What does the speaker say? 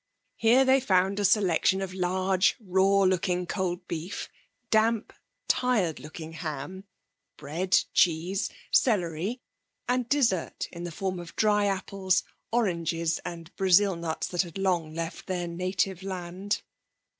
Here they found a selection of large, raw looking cold beef, damp, tired looking ham, bread, cheese, celery, and dessert in the form of dry apples, oranges, and Brazil nuts that had long left their native land.